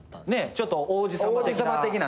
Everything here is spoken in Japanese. ちょっと王子様的な。